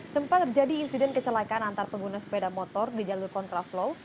sempat terjadi insiden kecelakaan antar pengguna sepeda motor di jalur kontraflow